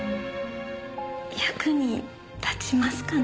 役に立ちますかね？